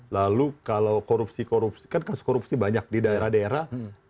lalu kalau korupsi korupsi kan kasus korupsi banyak di daerah daerah